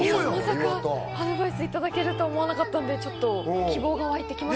まさかアドバイスいただけると思わなかったので、希望がわいてきました。